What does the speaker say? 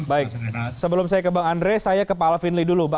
baik sebelum saya ke bang andre saya ke pak alvin lee dulu